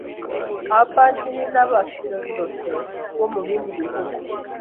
Abapadiri nabafilozofe bo mubindi bihugu